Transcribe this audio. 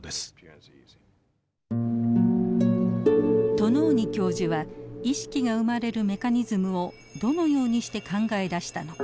トノーニ教授は意識が生まれるメカニズムをどのようにして考え出したのか。